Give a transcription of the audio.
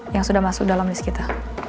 yang sudah masuk dalam list kita